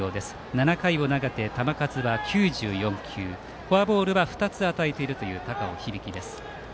７回を投げて球数９４球フォアボールは２つ与えている高尾響。